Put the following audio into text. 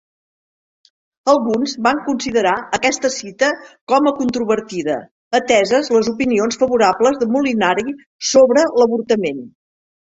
Alguns van considerar aquesta cita com a controvertida, ateses les opinions favorables de Molinari sobre l'avortament.